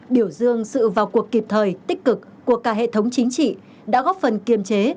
biểu dương sự vào cuộc kịp thời tích cực của cả hệ thống chính trị đã góp phần kiềm chế